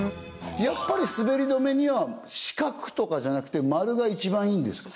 やっぱり滑り止めには四角とかじゃなくてマルが一番いいんですか